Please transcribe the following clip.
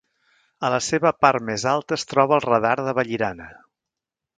A la seva part més alta es troba el Radar de Vallirana.